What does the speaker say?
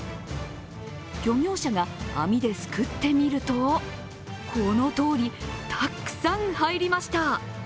漁業者が網ですくってみるとこのとおり、たくさん入りました。